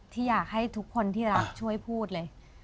ที่อยากให้ทุกคนที่รักช่วยพูดเลย